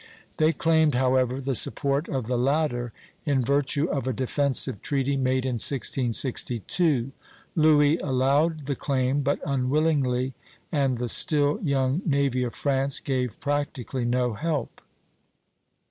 They claimed, however, the support of the latter in virtue of a defensive treaty made in 1662. Louis allowed the claim, but unwillingly; and the still young navy of France gave practically no help.